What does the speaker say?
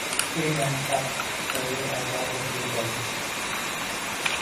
He then started a career as a hockey coach.